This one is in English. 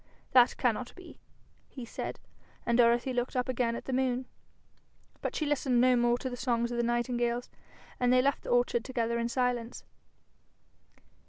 'That cannot be,' he said. And Dorothy looked up again at the moon. But she listened no more to the songs of the nightingales, and they left the orchard together in silence.